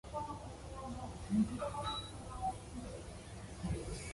They are also closely linked with the acceleration of solar energetic particles.